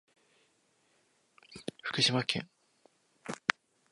福島県檜枝岐村